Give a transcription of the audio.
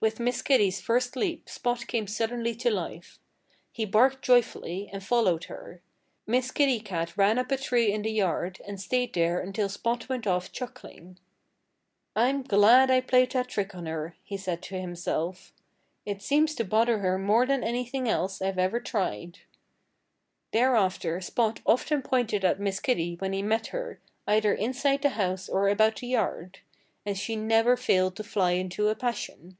With Miss Kitty's first leap Spot came suddenly to life. He barked joyfully and followed her. Miss Kitty Cat ran up a tree in the yard and stayed there until Spot went off chuckling. "I'm glad I played that trick on her," he said to himself. "It seems to bother her more than anything else I've ever tried." Thereafter Spot often pointed at Miss Kitty when he met her, either inside the house or about the yard. And she never failed to fly into a passion.